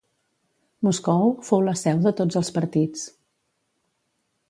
Moscou fou la seu de tots els partits.